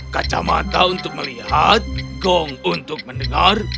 kacamata untuk melihat gong untuk mendengar